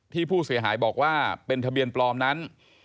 ที่ผู้เสียหายบอกว่าเป็นทะเบียนปลอมนั้น